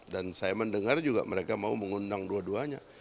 dan saya mendengar juga mereka mau mengundang dua duanya